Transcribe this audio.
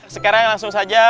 sekarang langsung saja